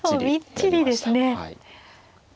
もうみっちりですね。